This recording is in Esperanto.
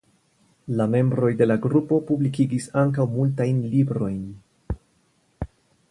La membroj de la grupo publikigis ankaŭ multajn librojn.